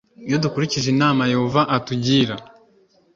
Iyo dukurikije inama yehova atugira